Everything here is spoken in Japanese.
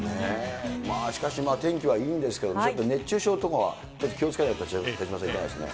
まあ、しかしまあ、天気はいいんですけども、ちょっと熱中症とかは、気をつけないと、手嶋さんいかがですか。